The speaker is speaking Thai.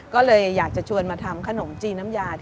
ก็เลยอยากจะชวนมาทำขนมจีนน้ำยา